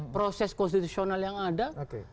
proses konstitusional yang ada